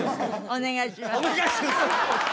お願いします！？